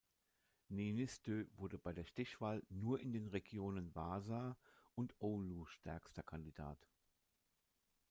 Niinistö wurde bei der Stichwahl nur in den Regionen Vaasa und Oulu stärkster Kandidat.